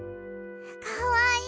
かわいい。